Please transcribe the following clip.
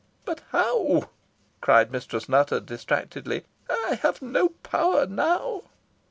"But how?" cried Mistress Nutter, distractedly. "I have no power now."